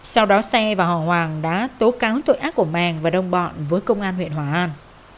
sau đó xe và họ hoàng đã tố cáo tội ác của màng và đồng bọn với công an huyện hòa an